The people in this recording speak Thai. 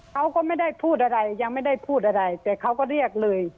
เขาก็ไม่ได้พูดอะไรยังไม่ได้พูดอะไรแต่เขาก็เรียกเลย